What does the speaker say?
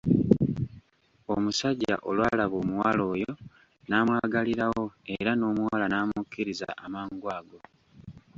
Omusajja olw'alaba omuwala oyo n'amwagalirawo era n'omuwala n'amukkiriza amangu ago.